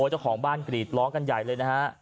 เจ้าของบ้านกรีดร้องกันใหญ่เลยนะฮะ